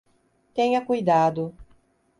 Tenha cuidado